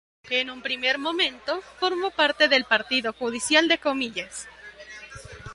En un primer momento, formó parte del partido judicial de Comillas.